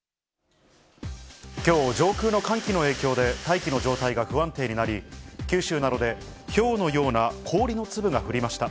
きょう、上空の寒気の影響で、大気の状態が不安定になり、九州などでひょうのような氷の粒が降りました。